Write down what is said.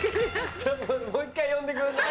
ちょっともう１回呼んでくんない？